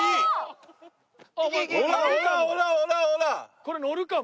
これのるかも。